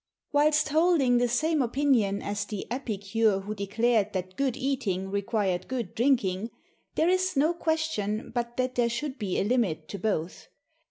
Whilst holding the same opinion as the epicure who declared that good eating required good drinking, there is no question but that there should be a limit to both.